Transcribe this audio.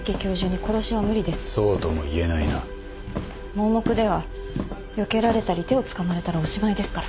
盲目ではよけられたり手をつかまれたらおしまいですから。